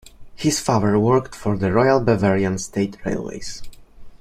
His father worked for the Royal Bavarian State Railways.